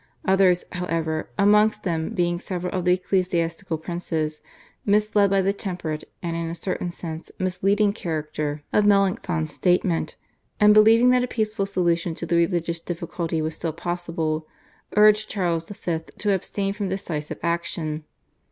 Others, however, amongst them being several of the ecclesiastical princes, misled by the temperate and, in a certain sense, misleading character of Melanchthon's statement, and believing that a peaceful solution to the religious difficulty was still possible, urged Charles V. to abstain from decisive action.